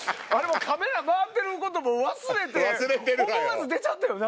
カメラ回ってることも忘れて思わず出ちゃったよな